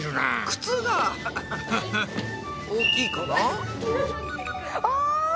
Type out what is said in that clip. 靴が大きいかな。